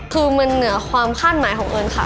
คือมันเหนือความคาดหมายของเอิญค่ะ